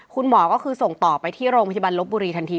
คุณหมอก็คือส่งต่อไปที่โรงพยาบาลลบบุรีทันที